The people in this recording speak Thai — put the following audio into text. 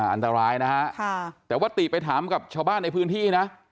อันตรายนะฮะแต่ว่าติไปถามกับชาวบ้านในพื้นที่นะ